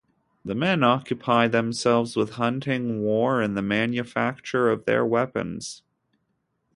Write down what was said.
The men occupy themselves with hunting, war, and the manufacture of their weapons.